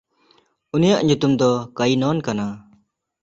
ᱩᱱᱤᱭᱟᱜ ᱧᱩᱛᱩᱢ ᱫᱚ ᱠᱟᱭᱤᱱᱚᱱ ᱠᱟᱱᱟ᱾